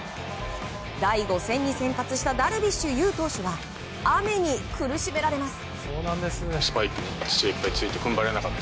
第５戦に先発したダルビッシュ有投手は雨に苦しめられます。